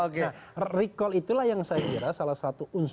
nah recall itulah yang saya kira salah satu unsur yang harus kita lakukan